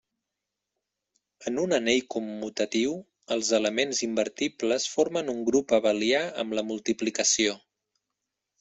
En un anell commutatiu, els elements invertibles formen un grup abelià amb la multiplicació.